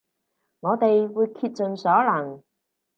我哋會竭盡所能